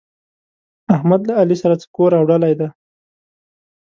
احمد له علي سره څه کور اوډلی دی؟!